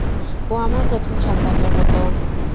ও আমার প্রথম সন্তানের মতো!